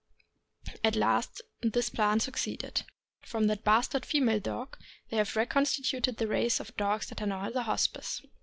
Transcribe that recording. At last this plan succeeded. From that bastard female dog they have recon stituted the race of dogs that are now at the Hospice.